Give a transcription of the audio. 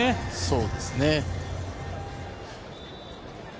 そうですね。